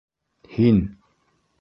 - Һин!